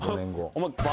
お前。